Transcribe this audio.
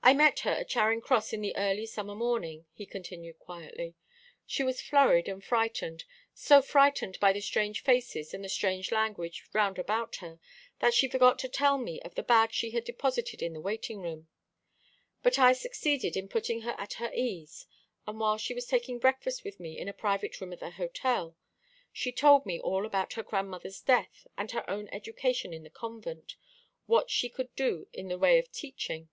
"I met her at Charing Cross in the early summer morning," he continued quietly. "She was flurried and frightened so frightened by the strange faces and the strange language round about her, that she forgot to tell me of the bag she had deposited in the waiting room. But I succeeded in putting her at her ease; and while she was taking breakfast with me in a private room at the hotel, she told me all about her grandmother's death, and her own education in the convent; what she could do in the way of teaching.